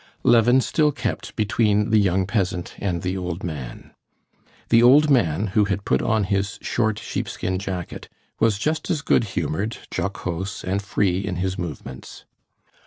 Levin still kept between the young peasant and the old man. The old man, who had put on his short sheepskin jacket, was just as good humored, jocose, and free in his movements.